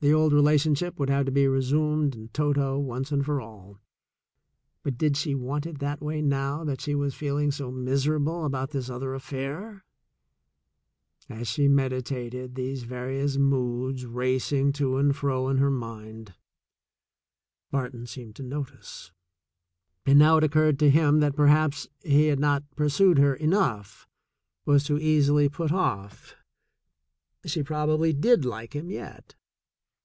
The old relationship would have to be resumed in toto, once and for all, but did she want it that way now that she was feeling so miserable about this other affair ? As she meditated, these various moods racing to and fro in her mind, Barton seemed to notice, and now it occurred to him that perhaps he had not pursued her enough — was too easily put off. She probably did like him yet.